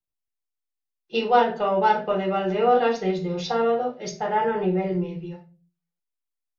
Igual ca O Barco de Valdeorras desde o sábado estará no nivel medio.